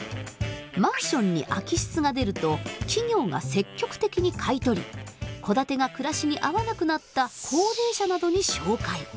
マンションに空き室が出ると企業が積極的に買い取り戸建てが暮らしに合わなくなった高齢者などに紹介。